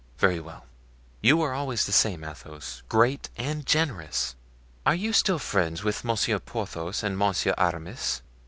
"Very well; you are always the same, Athos, great and generous. Are you still friends with Monsieur Porthos and Monsieur Aramis?"